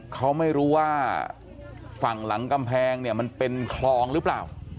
เขาไม่รู้ว่าฝั่งหลังกำแพงเนี่ยมันเป็นคลองหรือเปล่า